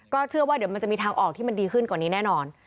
เชื่อว่าเดี๋ยวมันจะมีทางออกที่มันดีขึ้นกว่านี้แน่นอน